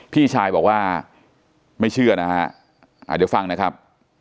พี่ชายบอกว่าไม่เชื่อนะฮะเดี๋ยวฟังนะครับ